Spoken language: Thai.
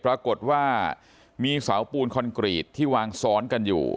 ปรากฏว่ามีเสาปูนคอนกรีตที่วางซ้อนกันอยู่